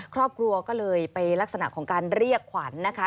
ครอบครัวก็เลยไปลักษณะของการเรียกขวัญนะคะ